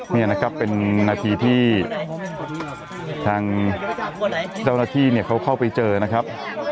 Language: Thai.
นี่นะครับเป็นนาทีที่ทางเจ้าหน้าที่เนี่ยเขาเข้าไปเจอนะครับ